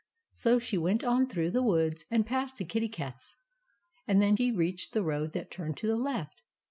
So she went on through the woods, and past the Kitty Cat's, and then reached the road that turned to the left.